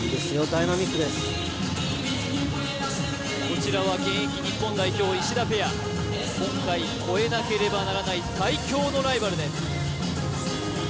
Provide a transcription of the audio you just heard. ダイナミックですこちらは現役日本代表石田ペア今回超えなければならない最強のライバルです